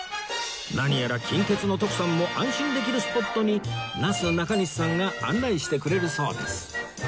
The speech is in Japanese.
何やら金欠の徳さんも安心できるスポットになすなかにしさんが案内してくれるそうです